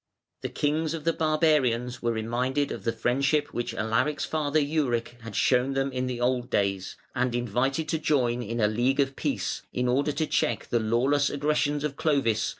The kings of the barbarians were reminded of the friendship which Alaric's father, Euric, had shown them in old days, and invited to join in a "League of Peace", in order to check the lawless aggressions of Clovis, which threatened danger to all.